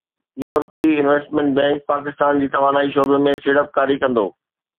يورپي investment bank Pakistan جي توانائي شعبي ۾ سيڙپڪاري ڪندو